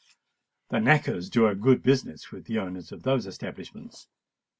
The knackers do a good business with the owners of those establishments.